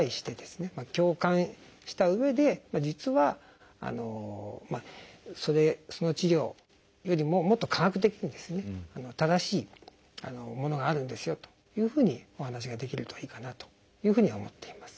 共感したうえで「実はその治療よりももっと科学的に正しいものがあるんですよ」というふうにお話ができるといいかなというふうに思っています。